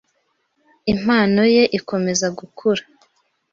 impano ye ikomeza gukura,